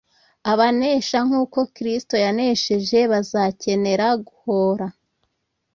Abanesha nkuko Kristo yanesheje bazakenera guhora